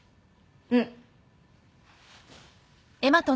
うん。